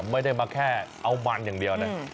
ไม่ได้มาแค่เอามันอย่างเดียวนะ